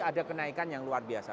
ada kenaikan yang luar biasa